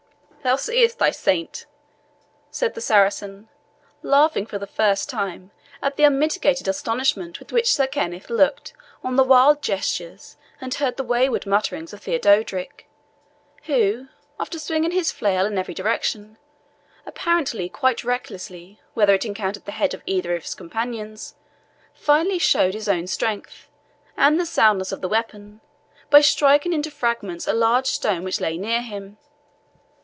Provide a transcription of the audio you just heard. "Thou seest thy saint," said the Saracen, laughing, for the first time, at the unmitigated astonishment with which Sir Kenneth looked on the wild gestures and heard the wayward muttering of Theodorick, who, after swinging his flail in every direction, apparently quite reckless whether it encountered the head of either of his companions, finally showed his own strength, and the soundness of the weapon, by striking into fragments a large stone which lay near him.